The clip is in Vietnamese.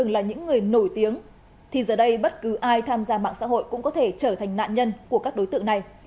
là những người nổi tiếng thì giờ đây bất cứ ai tham gia mạng xã hội cũng có thể trở thành nạn nhân của các đối tượng này